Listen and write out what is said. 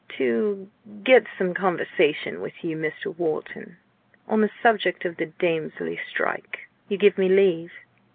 "to get some conversation with you, Mr. Wharton, on the subject of the Damesley strike. You give me leave?"